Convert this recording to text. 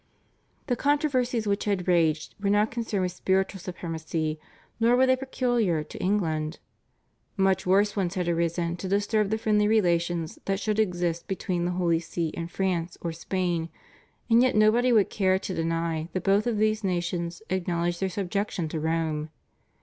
The controversies which had raged were not concerned with spiritual supremacy nor were they peculiar to England. Much worse ones had arisen to disturb the friendly relations that should exist between the Holy See and France or Spain, and yet nobody would care to deny that both of these nations acknowledged their subjection to Rome.